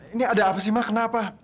ini ada apa sih mak kenapa